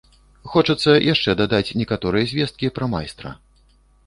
Хочацца яшчэ дадаць некаторыя звесткі пра майстра.